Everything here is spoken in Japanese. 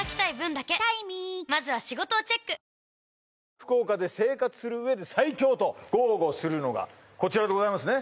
福岡で生活するうえで最強と豪語するのがこちらでございますね